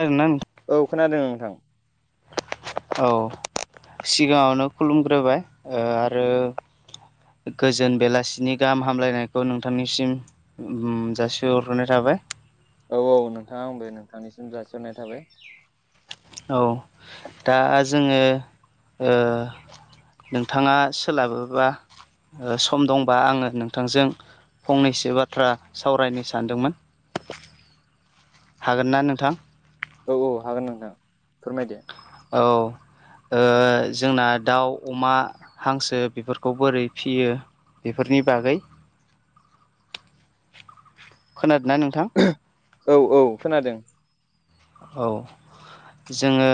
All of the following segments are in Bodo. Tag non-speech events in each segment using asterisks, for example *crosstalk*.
जागोनना नोंथां औ, खोनादों नोंथां। *unintelligible* औ, सिगाङावनो खुलुमग्रोबाय ओ आरो गोजोन बेलासिनि गाहाम हामलायनायखौ नोंथांनिसिम ओम जासि हरग्रोनाय थाबाय। औ - औ नोंथा आंबो नोंथांनिसिम जासिहरनाय थाबाय। औ, दा जोङो ओ नोंथाङा सोलाबोब्ला सम दंबा आङो नोंथांजों फंनैसो बाथ्रा सावरायनो सानदोंमोन। हागोन ना नोंथां? औ -औ हागोन नोंथां फोरमायदो औ। ओ जोंना दाउ, अमा, हांसो बेफोरखौ बोरै फियो बेफोरनि बागै खोनादोंना नोंथां? औ - औ खोनादों। औ जोङो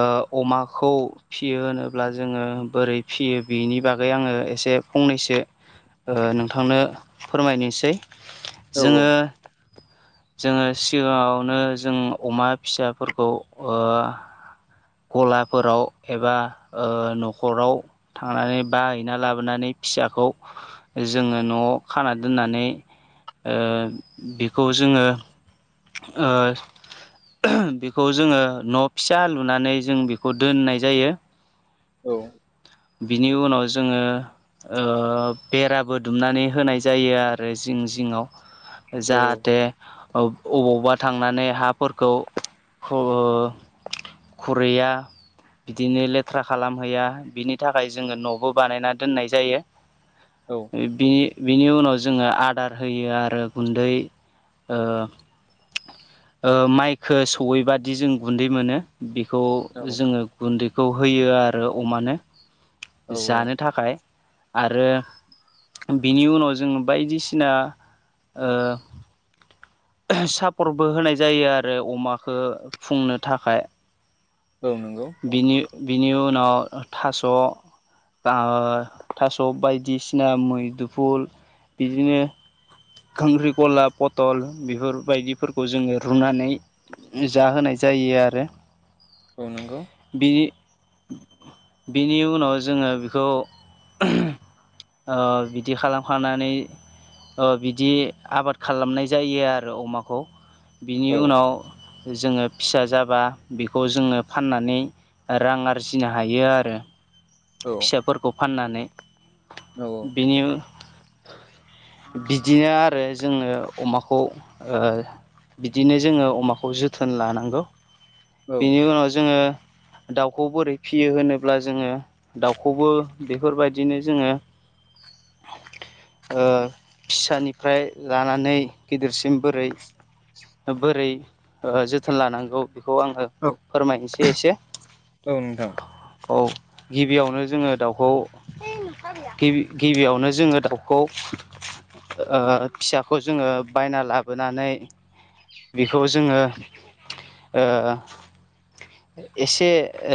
ओ अमाखौ फियो होनोब्ला जोङो बोरै फियो बेनि बागै आङो एसे फंनैसो ओ नोंथांनो फोरमायनोसै। औ औ जोङो - जोङो सिगाङावनो जों अमा फिसाफोरखौ ओ गलाफोराव एबा ओ न'खराव थांनानै बायहैना लाबोनानै फिसाखौ जोङो न'आव खाना दोननानै ओ बेखौ जोङो ओ बेखौ जोङो न' फिसा लुनानै जों बेखौ दोननाय जायो। औ। बिनि उनाव जोङो ओ बेराबो दुमनानै होनाय जायो आरो जिं जिंङाव। औ जाहाथे औ अबावबा थांनानै हाफोरखौ खु ओ खुरैया बिदिनो लेथ्रा खालामहैया बिनि थाखाय जोङो न'बो बानायना दोननाय जायो। औ। बि- बिनि उनाव जोङो आदार होयो आरो गुन्दै ओ- ओ माइखो सहैबादि जों गुन्दै मोनो। बेखौ जोङो गुन्दैखौ होयो आरो अमानो। औ औ जानो थाखाय। आरो बिनि उनाव जोङो बायदिसिना ओ सापरबो होनाय जायो आरो अमाखो फुंनो थाखाय। औ नंगौ। बिनि बिनि उनाव थास' ओ थास' बायदिसिना मैदुफुल बिदिनो खांख्रिकला पथल बेफोरबायदिफोरखौ जोङो रुनानै जाहोनाय जायो आरो। औ नोंगौ। बिनि बिनि उनाव जोङो बेखौ ओ बिदि खालामखानानै ओ बि बिदि आबाद खालामनाय जायो आरो अमाखौ बिनि औ उनाव जोङो फिसा जाबा बेखौ जोङो फाननानै रां आरजिनो हायो आरो। औ। फिसाफोरखौ फाननानै औ औ। बेनि बिदिनो आरो जोङो अमाखौ ओ बिदिनो जोङो अमाखौ जोथोन लानांगौ बेनि उनाव जोङो दाउखौ बोरै फियो होनोब्ला जोङो दाउखौबो बेफोरबायदिनो जोङो ओ फिसानिफ्राय लानानै गिदिरसिम बोरै बोरै ओ जोथोन लानांगौ बेखौ आंङो औ फोरमायनोसै एसे। औ नोंथां। औ गिबियावनो जोङो दाउखौ गिबि गिबियावनो जोङो दाउखौ ओ फिसाखौ जोङो बायना लाबोनानै बेखौ जोङो ओ एसे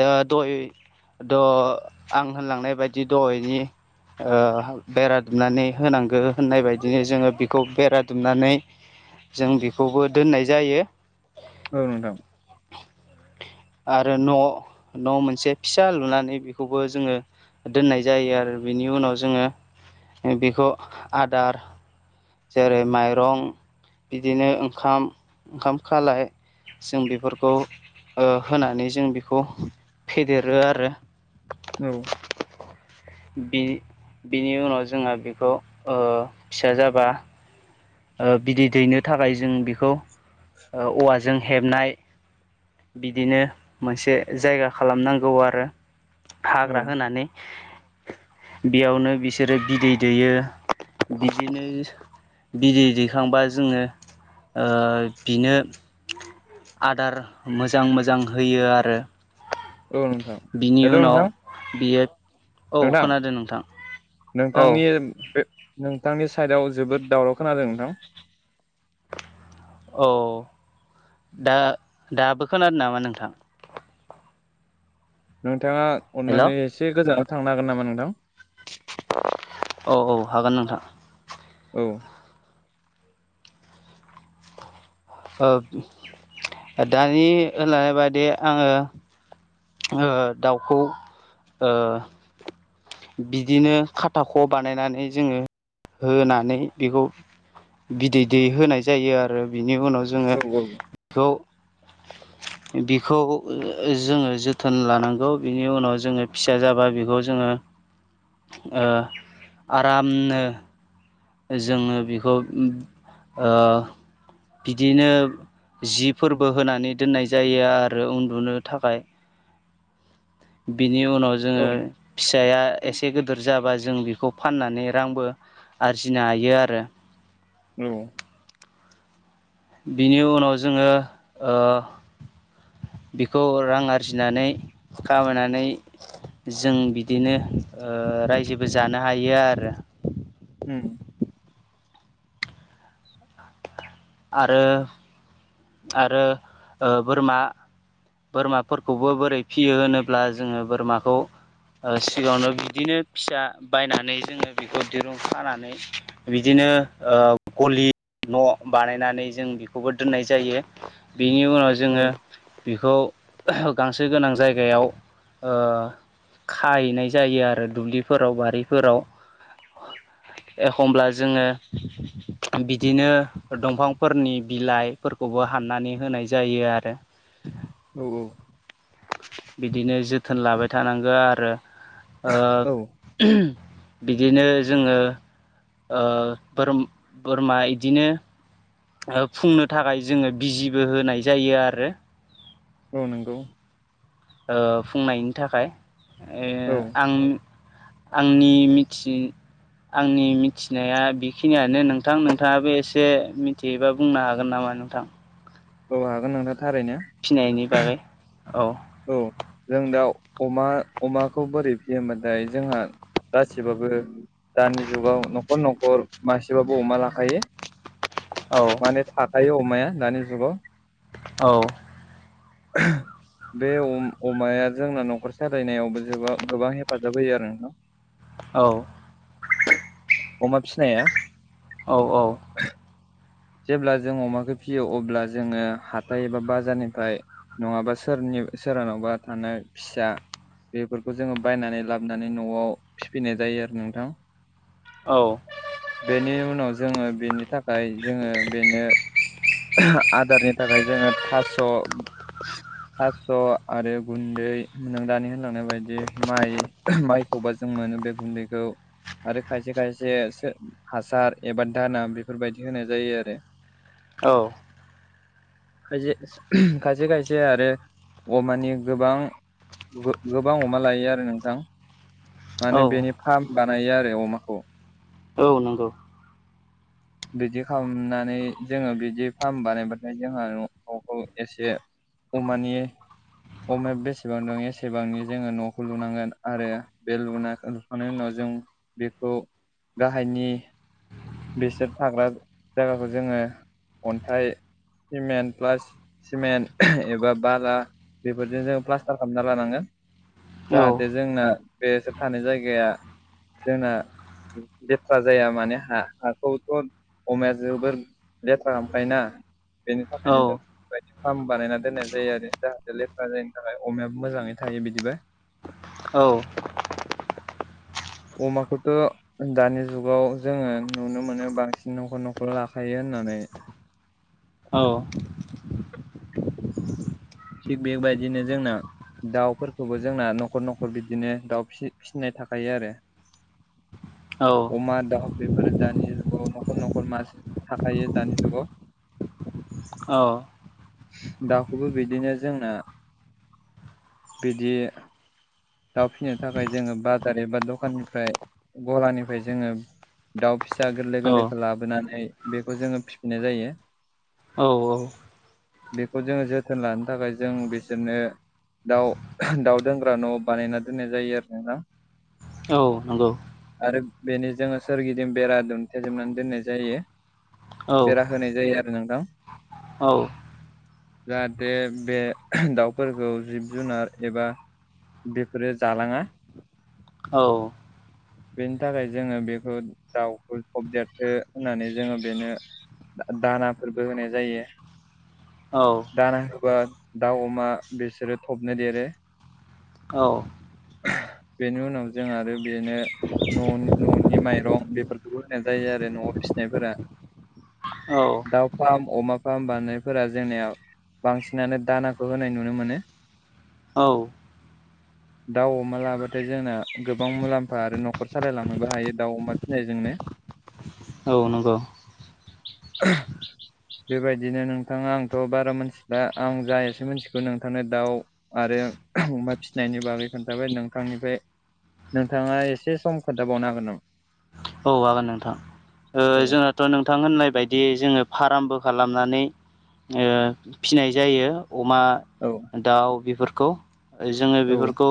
ओ दय द' आं होनलांनाय बायदि दहायनि ओ बेरा दुमनानै होनांगो होननाय बायदिनो जोङो बेखौ बेरा दुमनानै जों बेखौबो दोननाय जायो। औ नोंथां। आरो न' न' मोनसे फिसा लुनानै बेखौबो जोङो दोननाय जायो आरो बेनि उनाव जोङो बेखौ आदार जेरै माइरं बिदिनो ओंखाम ओंखाम खालाय जों बेफोरखौ ओ होनानै जों बेखौ फेदेरो आरो औ। बि बिनि उनाव जोंहा बेखौ ओ फिसा जाबा ओ बिदै दैनो थाखाय जों बेखौ ओ औवा ज जों हेबनाय बिदिनो मोनसे जायगा खालामनांगौ आरो औ हाग्रा होनानै बेयावनो बिसोरो बिदै दैयो बिदिनो बिदै दैखांबा जोङो ओ बिनो आदार मोजां मोजां होयो आरो। औ नोंथां बिनि हेल' उनाव नोंथां बियो औ नोंथां खोनादों नोंथां औ नोंथांनि बे नोंथांनि साइडआव जोबोद दावराव खोनादों नोंथां‌। औ दा दाबो खोनादो नामा नोंथां? नोंथाङा हेल' अननानै औ एसे गोजानाव थांनो हागोन नामा नोंथां? औ औ हागोन नोंथां। औ। ओ *unintelligible* दानि ओनाय बादि आङो *unintelligible* दाउखौ ओ बिदिनो खाथाख' बानायनानै जोङो ओनानै बेखौ बिदै दैहोनाय जायो आरो बिनि उनाव जोङो औ बेखौ *unintelligible* बिखौ ओ ओ जोङो जोथोन लानांगौ बिनि उनाव जोङो फिसा जाबा बेखौ जोङो ओ आरामनो जोङो बेखौ उम ओ बिदिनो जि फोरबो होनानै दोननाय जायो आरो उन्दुनो थाखाय। बिनि उनाव जोङो औ फिसाया एसे गोदोर जाबा जों बेखौ फाननानै रांबो आरजिनो हायो आरो। औ बिनि उनाव जोङो ओ बिखौ रां आरजिनानै कामायनानै जों बिदिनो ओ रायजोबो जानो हायो आरो। उम आरो आरो ओ बोरमा बोरमाफोरखौबो बोरै फियो होनोब्ला जोङो बोरमाखौ ओ सिगाङावनो बिदिनो फिसा बायनानै जोङो बेखौ दिरुं खानानै बिदिनो ओ गलि न' बानायनानै जों बेखौबो दोननाय ज जायो बिनि उनाव औ जोङो बिखौ *unintelligible* गांसो गोनां जायगायाव ओ खायैनाय जायो आरो दुब्लिफोराव बारिफोराव एखमब्ला जोङो *unintelligible* बिदिनो दंफांफोरनि बिलाइ फोरखौबो हाननानै होनाय जायो आरो। औ औ। बिदिनो जोथोन लाबाय थानांगो आरो ओ औ *unintelligible* बिदिनो जोङो ओ बोरम बोरमा इदिनो ओ फुंनो थाखाय जोङो बिजिबो होनाय जायो आरो औ नोंगौ। ओ फुंनायनि थाखाय ओ औ आं आंनि मिथि आंनि मिथिनाया बेखिनियानो नोंथां नोंथाङाबो एसे मिथि योबा बुंनो हागोन नामा नोंथां? औ हागोन नोंथां थारैनो। फिसिनायनि बागै औ। औ जों दा अमा अमाखौ बोरै फिसियोबाथाय जोंहा गासिबाबबो दानि जुगाव न'खर न'खर मासेबाबो अमा लाखायो। औ। माने थाखायो अमाया दानि जुगाव। औ। बे अम अमाया जोंना न'खर सालायनायावबो जोबा गोबां हेफाजाब होयो आरो नोंथां। औ। अमा बिसिनाया। औ औ। जेब्ला जों अमाखौ फियो अब्ला जोङो हाथाय एबा बाजारनिफ्राय नङाबा सोरनि सोरनावबा थानाय फिसा। बेफोरखौ जोङो बायनानै लाबोनानै न'आव फिफैनाय जायो आरो नोंथां। औ। बेनि उनाव जोङो बेनि थाखाय जोङो बेनो आदारनि थाखाय जोङो फास्स' थास' आरो गुन्दै नों दानि होनलांनाय बायदि माइ माइ सबााजों मोनो बे गुन्दैखौ आरो खायसे खायसे हासार एबा दाना बेफोरबायदि होनाय जायो आरो। औ। खायसे खायसे आरो अमानि‌ गोबां गोबां अमा लायो आरो नोंथां। औ माने बेनि फार्म बानायो आरो अमाखौ। औ नंगौ। बिदि खालामनानै जोङो बिदि फार्म बानायबाथाय जोंहा न'खौ एसे अमानि अमाया बेसेबां दं एसेबांनि जोङो न'खौ लुनांगोन आरो बे लुना थां उनाव जों बेखौ गाहायनि बेसोर थाग्रा जायगाखौ जोङो अन्थाइ, सिमेन्ट बा सिमेन्ट एबा बाला बेफोरजों जोङ प्लास्टार खालामना लानांगोन। औ जाहाथे जोंना बेस थानाय जायगाया जोंना लेथ्रा जाया माने हा। हाखौथ' अमाया जोबोर लेथ्रा हखायोनाा बेनि औ थाखायनो जों बदि फार्म बानायना दोननाय जायो आरो जाहाथे लेफ्रा जायनि थाखाय अमायाबो मोजाङै थायो बिदिबा। औ। अमाखौथ' दानि जुगाव जोङो नुनो मोनो बांसिन न'खर न'खर लाखायो होननानै। औ। थिग बेगबायदिनो जोंना दाउफोरखौबो जोंना न'खर न'खर बिदिनो दाउ फिसिनाय थाखायो आरो। औ। अमा दाउ बेफोरो दानि जुगाव न'खर न'खर मा थाखायो दानि जुगाव। औ। दाउखौबो बिदिनो जोंना बिदि दाउ फिसिनो थाखाय जोङो बाजार एबा दखाननिफ्राय गलानिफ्राय जोङो दाउ फिसा गोरलै औ गोरलैखौ लाबोनानै बेखौ जोङो फिफिनाय जायो। औ औ। बेखौ जोङो जोथोन लानो थाखाय जों बिसोरनो दाउ दाउ दोनग्रा न' बानायना दोननाय जायो आरो नोंथां औ नंगौ आरो बेनो जोंङो सोरगिदिं बेरा दुन्थेजोबनानै दोननाय जायो औ बेरा होनाय जायो आरो नोंथां औ जाहाथे बे दाउफोरखौ जिब जुनार एबा बेफोरो जालाङा औ। बेनि थाखाय जोंङो बेखौ दाउखौ थबदेरथो होननानै जोंङो बेनो दानाफोरबो होनाय जायो। औ दाना होबा दाउ अमा बिसोरो थबनो देरो औ *inaudible* बेनि उनाव जों आरो बेनो न'नि न'नि माइरं बेफोरखौबो होनाय जायो आरो न'आव फिसिनायफोरा *inaudible* दाउ फार्म अमा फार्म बानायनायफोरा जोंनियाव बांसिनानो दानाखौ होनाय नुनो मोनो औ दाउ अमा लाबाथाय जोंना गोबां मुलाम्फा आरो न'खर सालायलांनोबो हायो दाउ अमा फिसिनायजोंनो औ नंगौ *inaudible* बेबायदिनो नोंथाङा आंथ' बारा मिथिला आं जा एसे मिथिगौ नोंथां दाउ आरो अमा फिसिनायनि बागै खोन्थाबाय नोंथांनिफ्राय नोंथांङा एसे सम खोन्थाबावनो हागोन नामा औ आागोन नोंथां जोंहाथ' नोंथां होननाय बायदि जोंङो फार्मबो खालामनानै ओ फिसाय जायो अमा औ दाउ बेफोरखौ जोंङो औ बेफोरखौ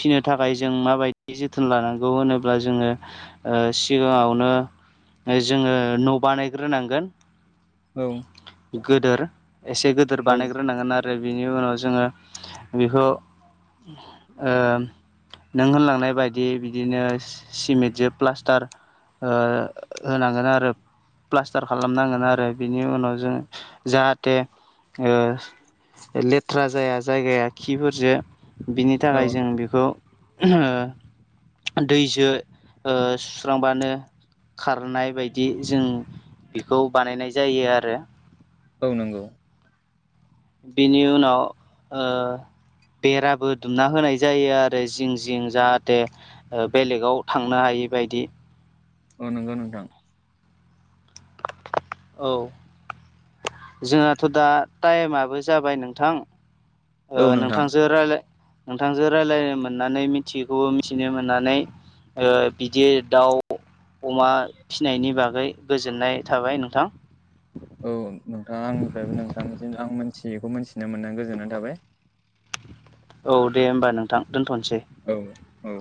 फिसिनो थाखाय जों माबायदि जोथोन लानांगौ होनोब्ला जोङो सिगांङावनो जोंङो न' बानायग्रोनांगोन औ गोदोर एसे गिदोर औ बानायग्रोनांगोन आरो आरो बिनि उनाव जोंङो बेखौ नों होनलांनाय बायदि बिदिनो सिमेन्टजों प्लास्टार ओ होनांगोन आरो प्लास्टार खालामनांगोन आरो बिनि उनाव जों जाहाथे ओ लेथ्रा जाया जायगाया खिफोरजों बिनि औ थाखाय जों बेखौ दैजों सुस्रांबानो खारनाय बायदि जों बेखौ बानायनाय जायो आरो औ नंगौ बिनि उनाव बेराबो दुमना होनाय जायो आरो जिं जिं जाहाथे बेलेगाव थांनो हायि बादि औ नंगौ नोंथां औ जोंहथ' दा टाइमाबो जाबाय नोंथां ओ औ नोंथां नोंथांजों रायज्य नोंथांजों रायज्लायनो मोननानै मिथियैखौबो मिथिनो मोननानै ओ बिदि दाउ अमा फिनायनि बागै गोजोननाय थाबाय नोंथां औ नोंथाङा आंनिफ्रायबो नोंथांनिसिम आं मोनथियैखौ मिथिनो मोननानै गोजोननाय थाबाय। औ दे होमबा नोंथां दोनथ'नोसै। औ औ।